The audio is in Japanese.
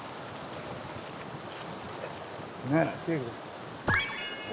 ねえ。